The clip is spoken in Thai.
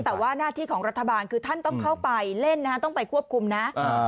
แต่ว่าหน้าที่ของรัฐบาลคือท่านต้องเข้าไปเล่นนะฮะต้องไปควบคุมนะ